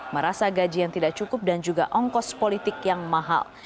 merasa gaji yang tidak cukup dan juga ongkos politik yang mahal